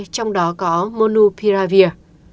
trong đó có monupiravir